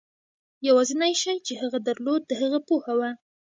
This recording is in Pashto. یوازېنی شی چې هغه درلود د هغه پوهه وه.